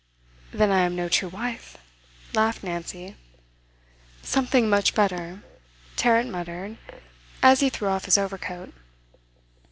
'Then I am no true wife!' laughed Nancy. 'Something much better,' Tarrant muttered, as he threw off his overcoat.